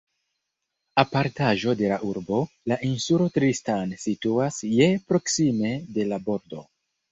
Apartaĵo de la urbo, la insulo Tristan situas je proksimume de la bordo.